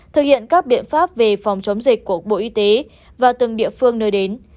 thực hiện các biện pháp về phòng chống dịch của bộ y tế và từng địa phương nơi đến